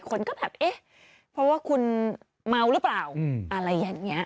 คนก็แบบเอ๊ะเพราะว่าคุณเมาหรือเปล่าอะไรอย่างนี้